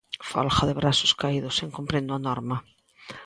Folga de brazos caídos incumprindo a norma.